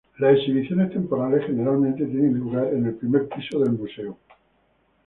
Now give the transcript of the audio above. Las exhibiciones temporales generalmente tienen lugar en el primer piso del Museo.